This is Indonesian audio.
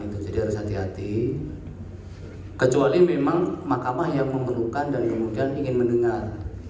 harus hati hati kecuali memang mahkamah yang memerlukan dan kemudian ingin mendengar